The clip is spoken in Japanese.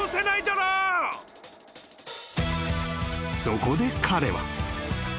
［そこで彼は］